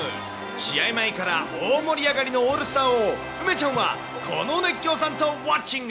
試合前から大盛り上がりのオールスターを梅ちゃんは、この熱狂さんとウォッチング。